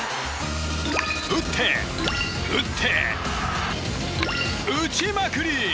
打って、打って、打ちまくり！